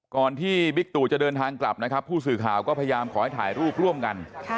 ที่บิ๊กตู่จะเดินทางกลับนะครับผู้สื่อข่าวก็พยายามขอให้ถ่ายรูปร่วมกัน